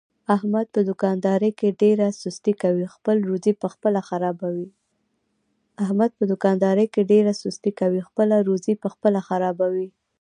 احمد په دوکاندارۍ کې ډېره سستي کوي، خپله روزي په خپله خرابوي.